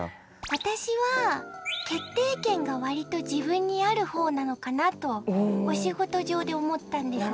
私は決定権が割と自分にある方なのかなとお仕事上で思ったんですね。